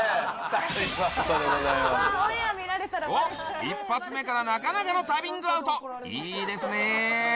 おっ１発目からなかなかの旅ングアウトいいですね